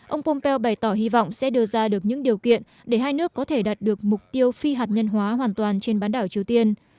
ông pompeo bày tỏ hy vọng sẽ đưa ra được những điều kiện để hai nước có thể đạt được mục tiêu phi hạt nhân hóa hoàn toàn trên bán đảo triều tiên